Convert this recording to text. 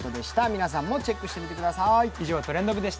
皆さんもチェックしてみてください。